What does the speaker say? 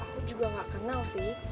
aku juga gak kenal sih